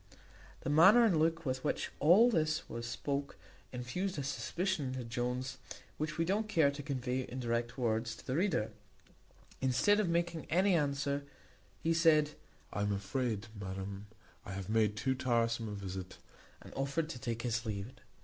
The manner and look with which all this was spoke infused a suspicion into Jones which we don't care to convey in direct words to the reader. Instead of making any answer, he said, "I am afraid, madam, I have made too tiresome a visit;" and offered to take his leave.